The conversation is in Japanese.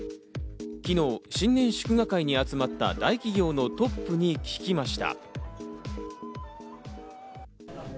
昨日、新年祝賀会に集まった大企業のトップに聞きました。